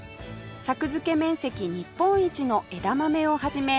作付面積日本一の枝豆を始め